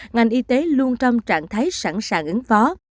ngành y tế luôn trong trạng thái sẵn sàng ứng phó